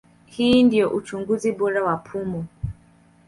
Hii ndio uchunguzi bora wa pumu.